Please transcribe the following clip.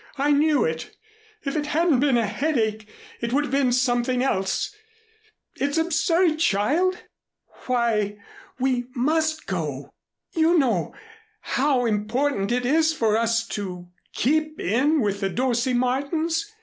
"I knew it. If it hadn't been a headache, it would have been something else. It's absurd, child. Why, we must go. You know how important it is for us to keep in with the Dorsey Martins.